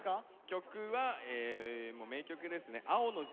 曲はもう名曲ですね。